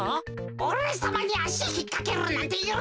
おれさまにあしひっかけるなんてゆるせん！